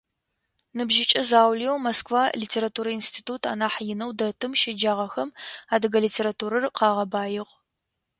Ныбжьыкӏэ заулэу Москва литературэ институт анахь инэу дэтым щеджагъэхэм адыгэ литературэр къагъэбаигъ.